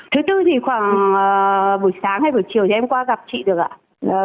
thứ bốn thì khoảng buổi sáng hay buổi chiều cho em qua gặp chị được ạ